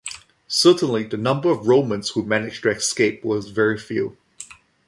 Certainly, the number of Romans who managed to escape were very few.